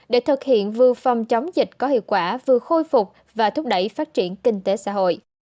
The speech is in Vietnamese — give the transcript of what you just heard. để thực hiện vừa phòng chống dịch có hiệu quả vừa khôi phục và thúc đẩy phát triển kinh tế xã hội